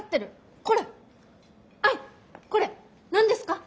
アイこれ何ですか？